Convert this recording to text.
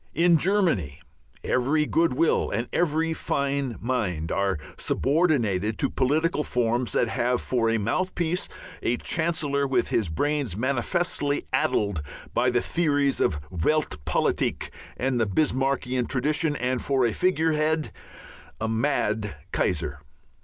In Germany, human good will and every fine mind are subordinated to political forms that have for a mouthpiece a Chancellor with his brains manifestly addled by the theories of Welt Politik and the Bismarckian tradition, and for a figurehead a mad Kaiser.